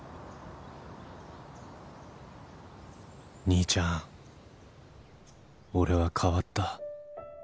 兄ちゃん俺は変わった